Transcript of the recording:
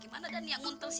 gimana dan yang untuk